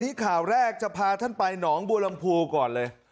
นี่ข่าวแรกจะพาท่านไปหนองบัวลำพูก่อนเลย